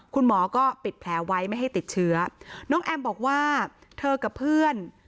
คุณหมอก็ปิดแผลไว้ไม่ให้ติดเชื้อน้องแอมบอกว่าเธอกับเพื่อน